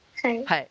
はい。